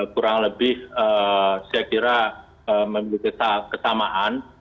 kurang lebih saya kira memiliki kesamaan